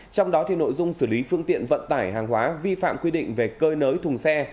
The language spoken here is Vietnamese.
trong đó nội dung xử lý phương tiện vận tải hàng hóa vi phạm quy định về cơi nới thùng xe